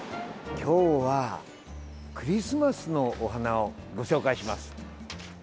今日はクリスマスのお花をご紹介します。